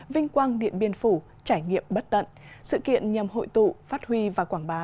vinh quang điện biên phủ trải nghiệm bất tận sự kiện nhằm hội tụ phát huy và quảng bá